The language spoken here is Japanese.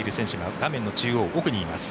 画面の中央奥にいます。